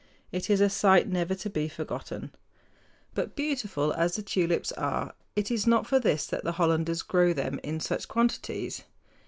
It is a sight never to be forgotten. But, beautiful as the tulips are, it is not for this that the Hollanders grow them in such quantities.